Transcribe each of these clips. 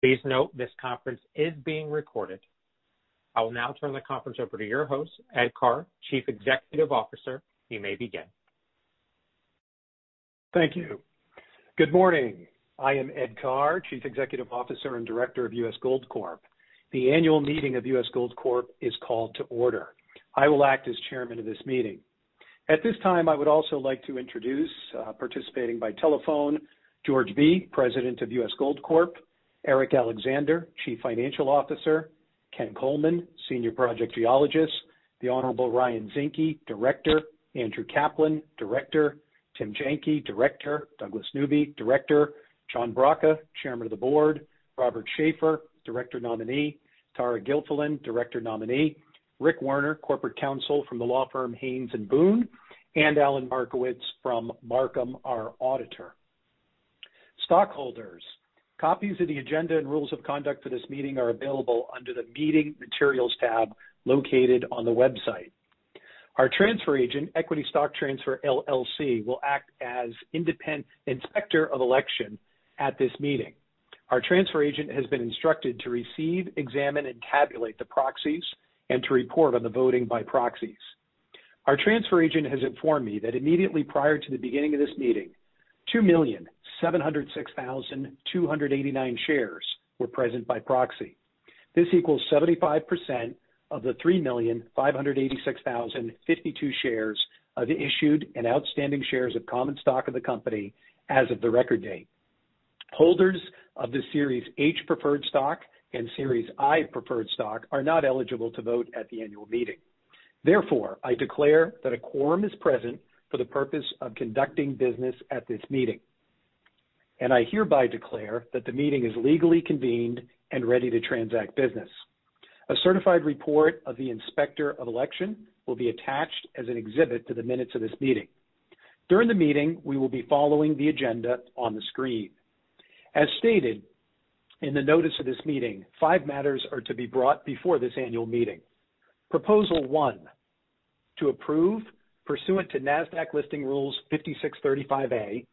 Please note this conference is being recorded. I will now turn the conference over to your host, Ed Karr, Chief Executive Officer. You may begin. Thank you. Good morning. I am Ed Karr, Chief Executive Officer and Director of U.S. Gold Corp. The annual meeting of U.S. Gold Corp. is called to order. I will act as chairman of this meeting. At this time, I would also like to introduce, participating by telephone, George Bee, President of U.S. Gold Corp., Eric Alexander, Chief Financial Officer, Ken Coleman, Senior Project Geologist, the Honorable Ryan Zinke, Director, Andrew Kaplan, Director, Tim Janke, Director, Douglas Newby, Director, John Braca, Chairman of the Board, Robert Schafer, Director nominee, Tara Gilfillan, Director nominee, Rick Warner, corporate counsel from the law firm Haynes and Boone, and Alan Markowitz from Marcum, our auditor. Stockholders, copies of the agenda and rules of conduct for this meeting are available under the Meeting Materials tab, located on the website. Our transfer agent, Equity Stock Transfer LLC, will act as independent inspector of election at this meeting. Our transfer agent has been instructed to receive, examine, and tabulate the proxies and to report on the voting by proxies. Our transfer agent has informed me that immediately prior to the beginning of this meeting, 2,706,289 shares were present by proxy. This equals 75% of the 3,586,052 shares of issued and outstanding shares of common stock of the company as of the record date. Holders of the Series H preferred stock and Series I preferred stock are not eligible to vote at the annual meeting. Therefore, I declare that a quorum is present for the purpose of conducting business at this meeting, and I hereby declare that the meeting is legally convened and ready to transact business. A certified report of the inspector of election will be attached as an exhibit to the minutes of this meeting. During the meeting, we will be following the agenda on the screen. As stated in the notice of this meeting, five matters are to be brought before this annual meeting. Proposal one: to approve, pursuant to Nasdaq Listing Rule 5635(a),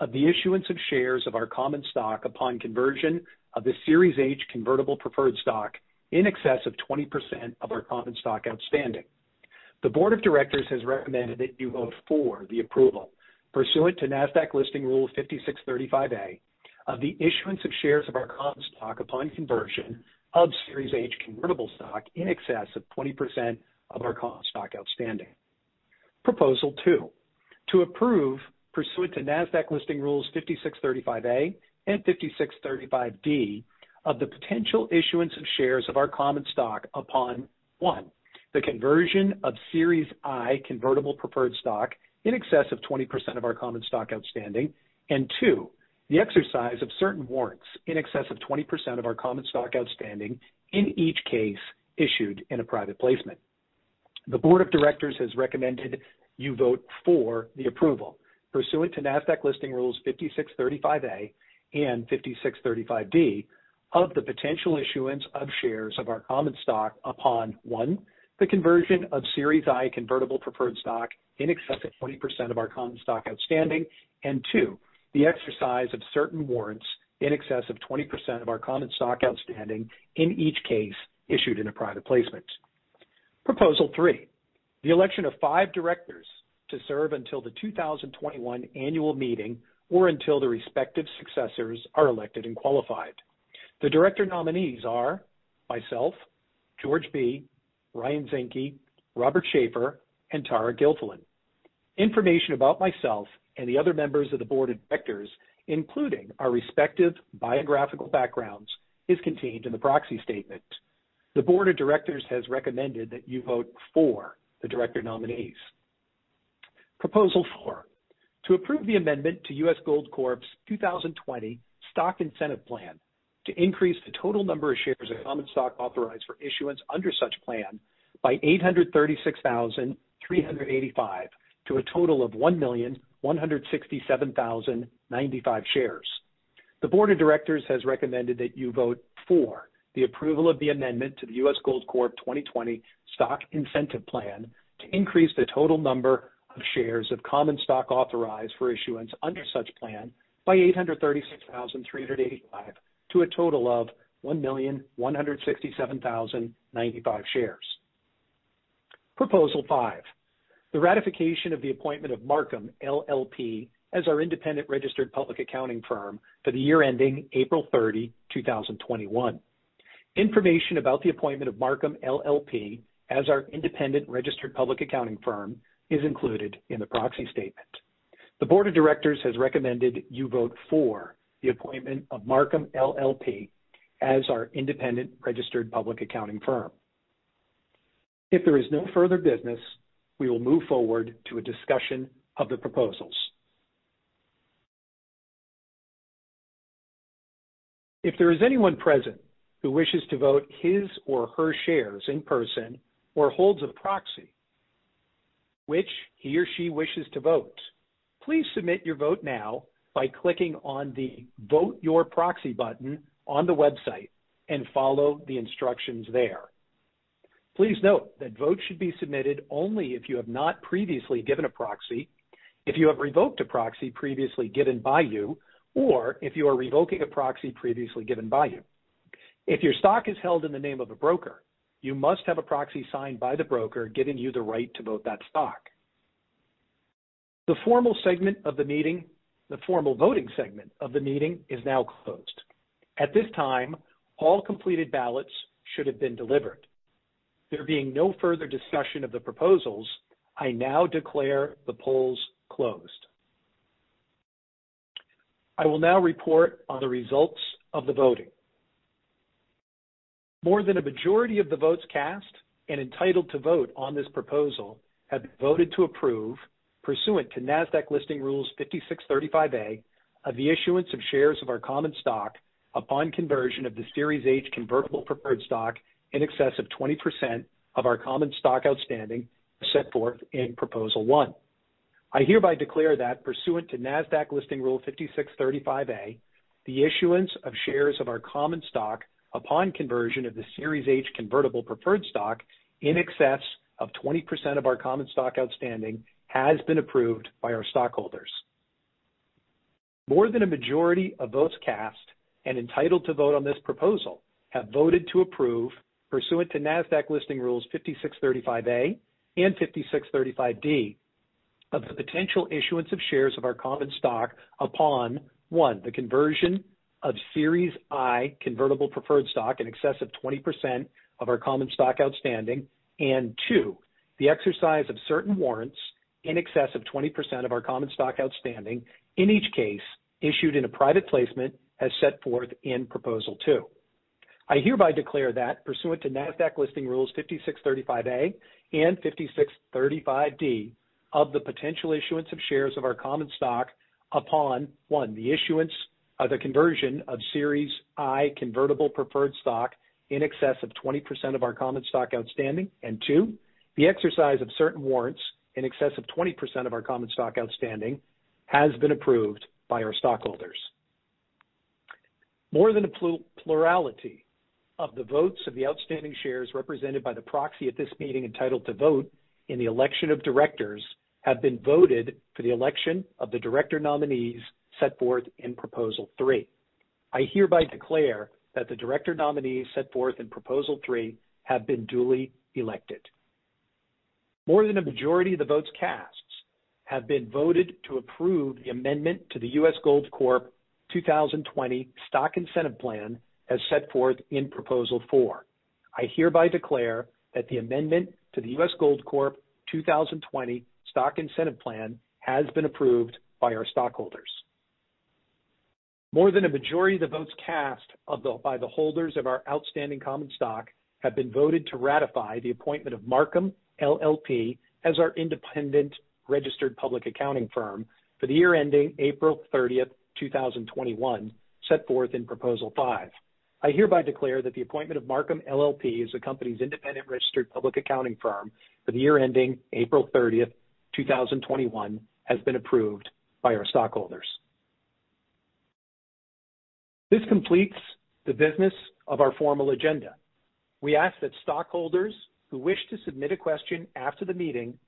of the issuance of shares of our common stock upon conversion of the Series H Convertible Preferred Stock in excess of 20% of our common stock outstanding. The board of directors has recommended that you vote for the approval pursuant to Nasdaq Listing Rule 5635(a), of the issuance of shares of our common stock upon conversion of Series H Convertible Stock in excess of 20% of our common stock outstanding. Proposal two: to approve, pursuant to Nasdaq listing rules 5635(a) and 5635(b), of the potential issuance of shares of our common stock upon, one, the conversion of Series I Convertible Preferred Stock in excess of 20% of our common stock outstanding, and two, the exercise of certain warrants in excess of 20% of our common stock outstanding, in each case issued in a private placement. The board of directors has recommended you vote for the approval pursuant to Nasdaq listing rules 5635(a) and 5635(b) of the potential issuance of shares of our common stock upon, one, the conversion of Series I Convertible Preferred Stock in excess of 20% of our common stock outstanding, and two, the exercise of certain warrants in excess of 20% of our common stock outstanding, in each case issued in a private placement. Proposal three: the election of five directors to serve until the 2021 annual meeting, or until the respective successors are elected and qualified. The director nominees are myself, George Bee, Ryan Zinke, Robert Shafer, and Tara Gilfillan. Information about myself and the other members of the board of directors, including our respective biographical backgrounds, is contained in the proxy statement. The board of directors has recommended that you vote for the director nominees. Proposal four: to approve the amendment to U.S. Gold Corp.'s 2020 Stock Incentive Plan to increase the total number of shares of common stock authorized for issuance under such plan by 836,385, to a total of 1,167,095 shares. The board of directors has recommended that you vote for the approval of the amendment to the U.S. Gold Corp. 2020 Stock Incentive Plan to increase the total number of shares of common stock authorized for issuance under such plan by 836,385, to a total of 1,167,095 shares. Proposal five: the ratification of the appointment of Marcum LLP as our independent registered public accounting firm for the year ending April 30, 2021. Information about the appointment of Marcum LLP as our independent registered public accounting firm is included in the proxy statement. The board of directors has recommended you vote for the appointment of Marcum LLP as our independent registered public accounting firm. If there is no further business, we will move forward to a discussion of the proposals. If there is anyone present who wishes to vote his or her shares in person or holds a proxy which he or she wishes to vote, please submit your vote now by clicking on the Vote Your Proxy button on the website and follow the instructions there. Please note that votes should be submitted only if you have not previously given a proxy, if you have revoked a proxy previously given by you, or if you are revoking a proxy previously given by you. If your stock is held in the name of a broker, you must have a proxy signed by the broker giving you the right to vote that stock. The formal segment of the meeting. The formal voting segment of the meeting is now closed. At this time, all completed ballots should have been delivered. There being no further discussion of the proposals, I now declare the polls closed. I will now report on the results of the voting. More than a majority of the votes cast and entitled to vote on this proposal have been voted to approve, pursuant to Nasdaq Listing Rule 5635(a), of the issuance of shares of our common stock upon conversion of the Series H Convertible Preferred Stock in excess of 20% of our common stock outstanding, as set forth in proposal one. I hereby declare that pursuant to Nasdaq Listing Rule 5635(a), the issuance of shares of our common stock upon conversion of the Series H Convertible Preferred Stock in excess of 20% of our common stock outstanding, has been approved by our stockholders. More than a majority of votes cast and entitled to vote on this proposal have voted to approve, pursuant to Nasdaq Listing Rules 5635(a) and 5635(d), of the potential issuance of shares of our common stock upon, one, the conversion of Series I Convertible Preferred Stock in excess of 20% of our common stock outstanding, and two, the exercise of certain warrants in excess of 20% of our common stock outstanding, in each case issued in a private placement as set forth in proposal two. I hereby declare that pursuant to Nasdaq Listing Rule 5635(a) and 5635(d) of the potential issuance of shares of our common stock upon, one, the issuance of the conversion of Series I Convertible Preferred Stock in excess of 20% of our common stock outstanding, and two, the exercise of certain warrants in excess of 20% of our common stock outstanding, has been approved by our stockholders. More than a plurality of the votes of the outstanding shares represented by the proxy at this meeting, entitled to vote in the election of directors, have been voted for the election of the director nominees set forth in proposal three. I hereby declare that the director nominees set forth in proposal three have been duly elected. More than a majority of the votes cast have been voted to approve the amendment to the U.S. Gold Corp 2020 Stock Incentive Plan, as set forth in proposal four. I hereby declare that the amendment to the U.S. Gold Corp 2020 Stock Incentive Plan has been approved by our stockholders. More than a majority of the votes cast by the holders of our outstanding common stock have been voted to ratify the appointment of Marcum LLP as our independent registered public accounting firm for the year ending April 30th, 2021, set forth in proposal five. I hereby declare that the appointment of Marcum LLP as the company's independent registered public accounting firm for the year ending April 30th, 2021, has been approved by our stockholders. This completes the business of our formal agenda. We ask that stockholders who wish to submit a question after the meeting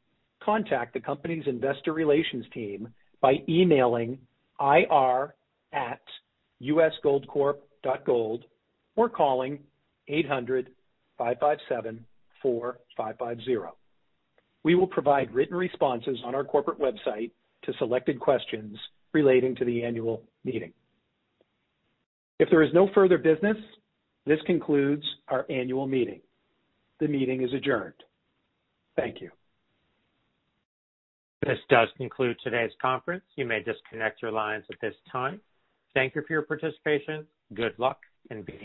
contact the company's investor relations team by emailing ir@usgoldcorp.gold or calling 800-557-4550. We will provide written responses on our corporate website to selected questions relating to the annual meeting. If there is no further business, this concludes our annual meeting. The meeting is adjourned. Thank you. This does conclude today's conference. You may disconnect your lines at this time. Thank you for your participation. Good luck and be safe.